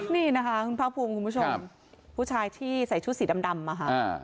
นี่นะคะคุณภาคภูมิคุณผู้ชมผู้ชายที่ใส่ชุดสีดำมาค่ะ